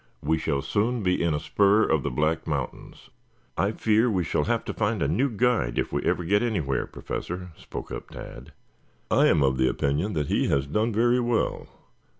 We shall soon be in a spur of the Black Mountains." "I fear we shall have to find a new guide if we ever get anywhere, Professor," spoke up Tad. "I am of the opinion that he has done very well.